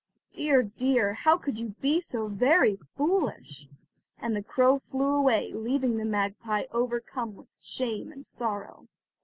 Dear, dear! how could you be so very foolish!" And the crow flew away, leaving the magpie overcome with shame and sorrow.